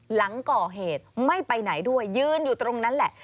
หลังก่อเหตุไม่ไปไหนด้วยยืนอยู่ตรงนั้นแหละ